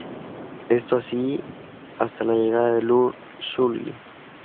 Esto era así hasta la llegada de Url-Shulgi.